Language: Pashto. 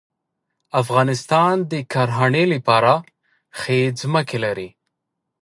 افغانستان د کرهڼې لپاره ښې ځمکې لري.